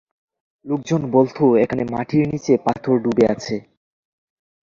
লোকজন বলতো এখানে মাটির নিচে পাথর ডুবে আছে।